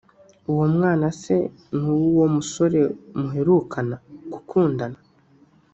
uwo mwana se ni uw’uwo musore muherukana (gukundana)